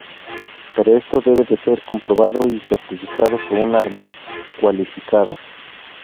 Pero esto debe ser comprobado y certificado por un armero cualificado.